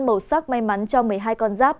màu sắc may mắn cho một mươi hai con giáp